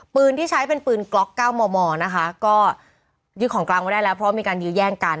ปืนที่ใช้เป็นปืนกล็อกเก้ามอมอนะคะก็ยึดของกลางไว้ได้แล้วเพราะมีการยื้อแย่งกัน